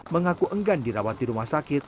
mengaku enggan dirawat di rumah sakit